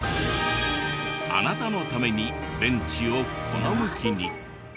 あなたのためにベンチをこの向きに。